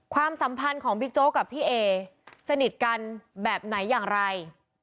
ความสัมพันธ์ของบิ๊กโจ๊กกับพี่เอสนิทกันแบบไหนอย่างไร